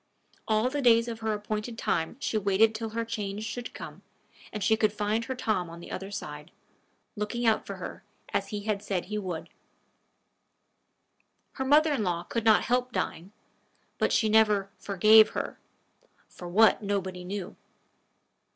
All the days of her appointed time she waited till her change should come, and she should find her Tom on the other side, looking out for her, as he had said he would. Her mother in law could not help dying; but she never "forgave" her for what, nobody knew.